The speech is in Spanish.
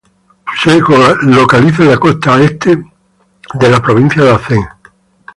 Se localiza en la costa este de la provincia de Aceh.